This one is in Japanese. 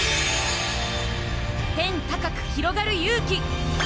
天高くひろがる勇気！